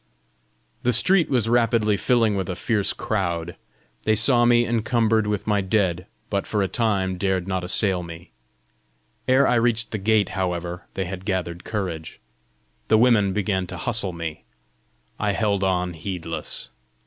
The street was rapidly filling with a fierce crowd. They saw me encumbered with my dead, but for a time dared not assail me. Ere I reached the gate, however, they had gathered courage. The women began to hustle me; I held on heedless.